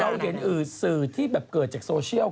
มีเกณฑ์อื่นสื่อที่แบบเกิดจากโซเชียล